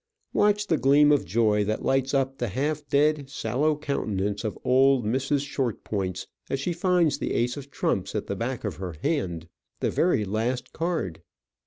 Watch the gleam of joy that lights up the half dead, sallow countenance of old Mrs. Shortpointz as she finds the ace of trumps at the back of her hand, the very last card.